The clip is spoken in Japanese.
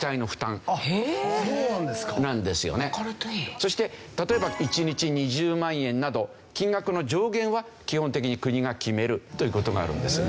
そして例えば１日２０万円など金額の上限は基本的に国が決めるという事があるんですよね。